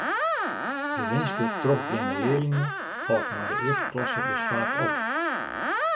De winske ‘trochgeande learline’ hâldt nei de earste klasse dus faak op.